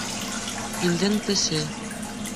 Филдең теше